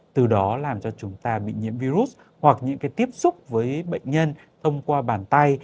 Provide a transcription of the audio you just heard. từ đó làm cho chúng ta bị nhiễm virus hoặc những cái tiếp xúc với bệnh nhân ông qua bàn tay